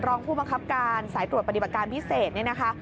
รองผู้บังคับการสายตรวจปฏิบัติการพิเศษเนี่ยนะคะ